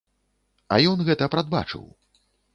А ён гэта прадбачыў.